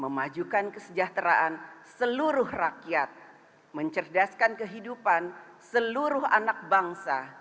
memajukan kesejahteraan seluruh rakyat mencerdaskan kehidupan seluruh anak bangsa